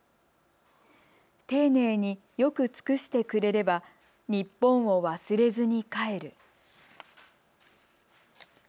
丁寧に能く尽くして呉れれば日本を忘れずに帰る。